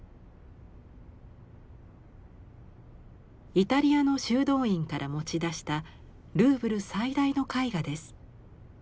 イタリアの修道院から持ち出したルーブル最大の絵画です。